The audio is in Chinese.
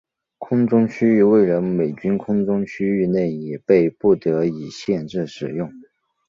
空中区域为了美军空中区域内也被不得已限制使用。